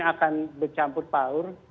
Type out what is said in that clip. akan bercampur paur